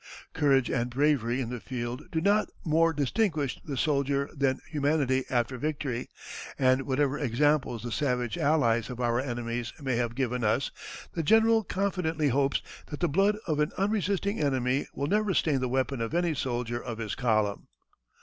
Courage and bravery in the field do not more distinguish the soldier than humanity after victory; and whatever examples the savage allies of our enemies may have given us, the general confidently hopes that the blood of an unresisting enemy will never stain the weapon of any soldier of his column."